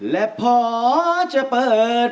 และพอจะเปิด